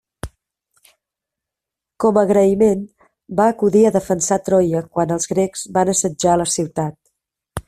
Com a agraïment va acudir a defensar Troia quan els grecs van assetjar la ciutat.